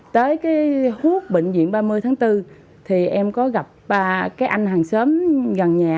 tới cái hút bệnh viện ba mươi tháng bốn thì em có gặp ba cái anh hàng sớm gần nhà